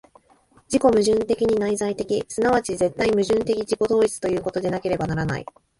自己矛盾的に内在的、即ち絶対矛盾的自己同一ということでなければならない。